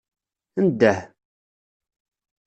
Ndeh.